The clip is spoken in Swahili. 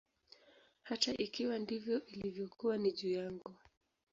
Hata ikiwa ndivyo ilivyokuwa, ni juu yangu.